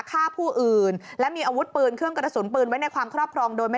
แม่บอกแบบนี้อันนี้ในมุมของแม่ผู้ตายนะคะคุณผู้ชมทีนี้ตำรวจเนี่ยก็จะมาจุดจบตรงนี้ไง